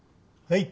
はい。